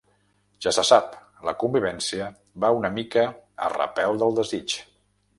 Ja se sap, la convivència va una mica a repèl del desig.